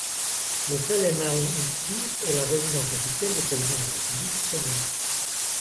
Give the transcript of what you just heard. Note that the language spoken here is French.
Le palais Maryinsky est la résidence officielle du président de la République ukrainienne.